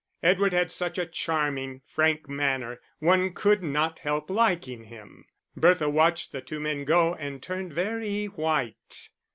Edward had such a charming, frank manner, one could not help liking him. Bertha watched the two men go and turned very white.